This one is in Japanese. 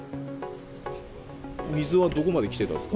水はどこまで来てたんですか。